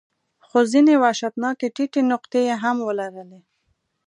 خو ځینې وحشتناکې ټیټې نقطې یې هم ولرلې.